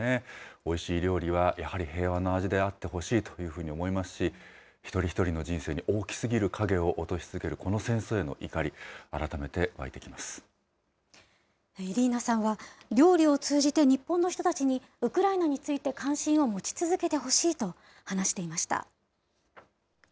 おいしい料理はやはり平和の味であってほしいというふうに思いますし、一人一人の人生に大きすぎる影を落とし続けるこの戦争への怒り、イリーナさんは、料理を通じて日本の人たちにウクライナについて関心を持ち続けてほしいと話していました。